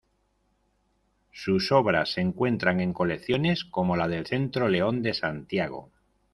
Sus obras se encuentran en colecciones como la del Centro León de Santiago.